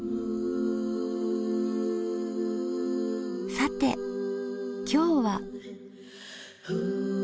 さて今日は。